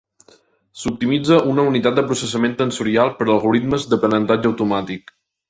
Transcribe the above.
S'optimitza una unitat de processament tensorial per a algoritmes d'aprenentatge automàtic.